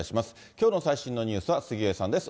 きょうの最新のニュースは杉上さんです。